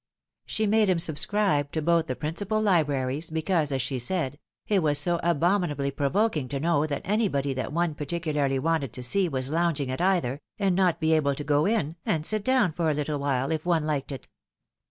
She made him subscribe to both the I 130 THE ■WIDOW MARRIED. principal libraries, because, as she said, " it was so abominably provoking to know that anybody that one particularly wanted to see was lounging at either, and not to be able to go in, and sit down for a little while, if one liked it."